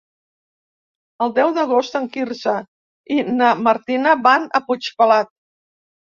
El deu d'agost en Quirze i na Martina van a Puigpelat.